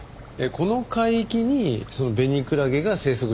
この海域にベニクラゲが生息してるんですか？